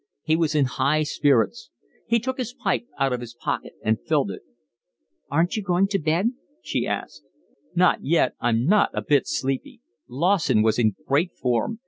He was in high spirits. He took his pipe out of his pocket and filled it. "Aren't you going to bed?" she asked. "Not yet, I'm not a bit sleepy. Lawson was in great form.